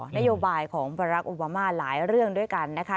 นโยบายของบารักษ์โอบามาหลายเรื่องด้วยกันนะคะ